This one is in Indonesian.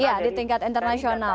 iya di tingkat internasional